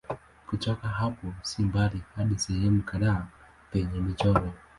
Kutoka hapo si mbali hadi sehemu kadhaa penye michoro.